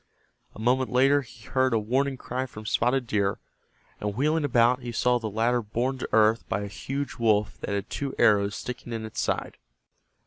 A moment later he heard a warning cry from Spotted Deer, and wheeling about he saw the latter borne to earth by a huge wolf that had two arrows sticking in its side.